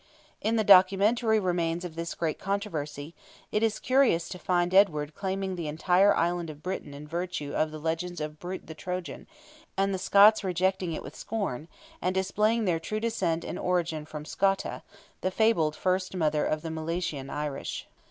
In the documentary remains of this great controversy, it is curious to find Edward claiming the entire island of Britain in virtue of the legend of Brute the Trojan, and the Scots rejecting it with scorn, and displaying their true descent and origin from Scota, the fabled first mother of the Milesian Irish.